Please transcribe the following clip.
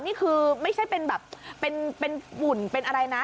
นี่คือไม่ใช่เป็นแบบเป็นฝุ่นเป็นอะไรนะ